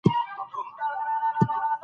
سيراټونين چې کم شي نو د انسان موډ خراب شي